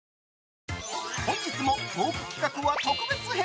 本日もトーク企画は特別編！